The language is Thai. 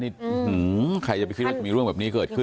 อื้อหือใครจะไปคิดว่ามีเรื่องแบบนี้เกิดขึ้น